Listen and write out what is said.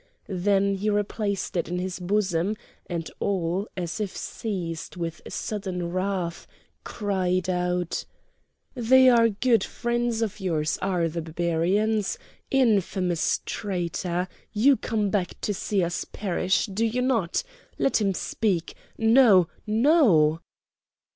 Then he replaced it in his bosom, and all, as if seized with sudden wrath, cried out: "They are good friends of yours, are the Barbarians! Infamous traitor! You come back to see us perish, do you not? Let him speak!—No! no!"